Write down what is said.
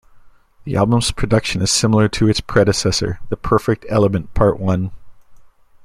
The album's production is similar to its predecessor, "The Perfect Element, part I".